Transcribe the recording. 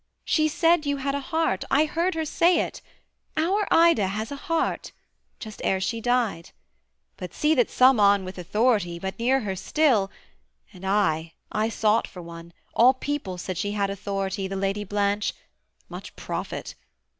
She said you had a heart I heard her say it "Our Ida has a heart" just ere she died "But see that some one with authority Be near her still" and I I sought for one All people said she had authority The Lady Blanche: much profit!